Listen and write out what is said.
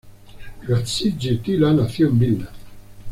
Gražinytė-Tyla nació en Vilna.